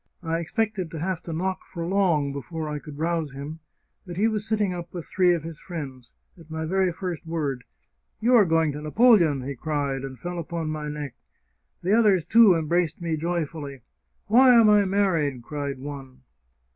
I expected to have to knock for long before I could rouse him; but he was sitting up with three of his friends. At my very first word, ' You are going to Napo leon !' he cried, and fell upon my neck ; the others, too, em braced me joyfully. * Why am I married ?' cried one."